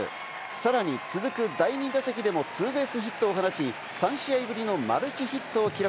さらに続く第２打席でもツーベースヒットを放ち、３試合ぶりのマルチヒットを記録！